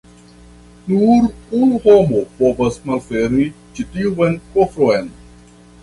Nur unu homo povas malfermi ĉi tiun kofron.